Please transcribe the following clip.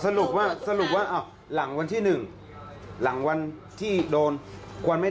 สรุปว่าสรุปว่าอ้าวหลังวันที่๑หลังวันที่โดนควรไม่